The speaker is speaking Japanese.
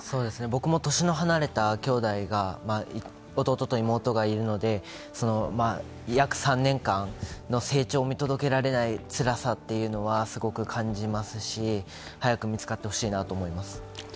僕も年の離れた兄弟、弟と妹がいるので、約３年間の成長を見届けられないつらさはすごく感じますし早く見つかってほしいなと思います。